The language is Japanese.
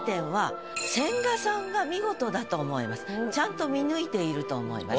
ちゃんと見抜いていると思います。